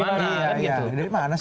iya dari mana sih